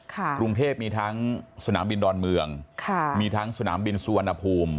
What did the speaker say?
กรุงเทพมีทั้งสนามบินดอนเมืองค่ะมีทั้งสนามบินสุวรรณภูมิ